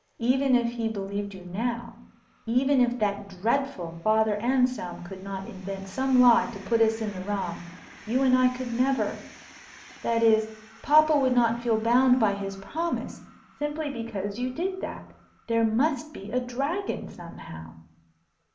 Even if he believed you now, even if that dreadful Father Anselm could not invent some lie to put us in the wrong, you and I could never that is papa would not feel bound by his promise simply because you did that. There must be a dragon somehow."